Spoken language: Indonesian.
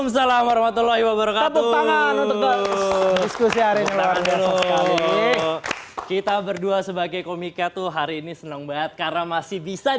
sampai jumpa di video selanjutnya